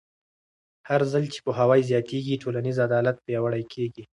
هرځل چې پوهاوی زیاتېږي، ټولنیز عدالت پیاوړی کېږي.